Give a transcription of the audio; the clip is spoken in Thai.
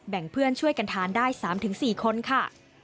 เพื่อนช่วยกันทานได้๓๔คนค่ะ